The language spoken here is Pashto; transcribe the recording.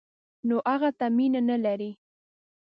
نو هغه ته مینه نه لري.